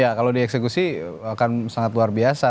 ya kalau dieksekusi akan sangat luar biasa